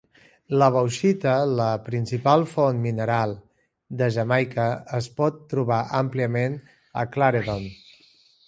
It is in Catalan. La bauxita, la principal font mineral de Jamaica, es pot trobar àmpliament a Claredon.